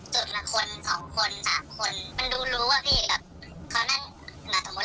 ก็คือเหมือนผมจะเดินออกจากซอยแล้วใช่ไหม